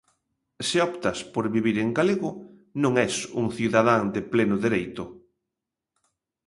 Se optas por vivir en galego non es un cidadán de pleno dereito.